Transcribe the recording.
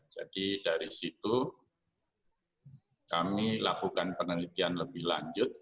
jadi dari situ kami lakukan penelitian lebih lanjut